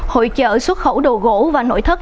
hội chở xuất khẩu đồ gỗ và nội thất